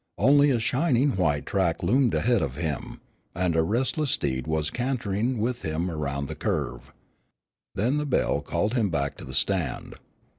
Only a shining white track loomed ahead of him, and a restless steed was cantering with him around the curve. Then the bell called him back to the stand.